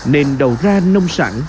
nên đầu ra nông sản